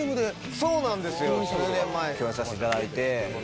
そうなんですよ数年前共演させていただいて。